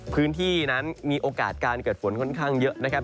พื้นที่นั้นมีโอกาสการเกิดฝนค่อนข้างเยอะนะครับ